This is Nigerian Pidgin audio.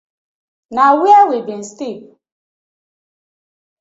Na where we been stip?